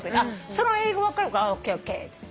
その英語分かるから「ＯＫＯＫ」っつって。